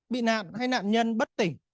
bị nạn hay nạn nhân bất tỉnh